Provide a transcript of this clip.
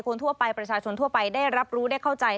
คนทั่วไปประชาชนทั่วไปได้รับรู้ได้เข้าใจ